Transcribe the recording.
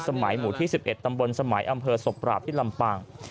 สมัยหมู่ที่๑๑ตำบลสมัยอำเภอศพปราบที่ลำปาง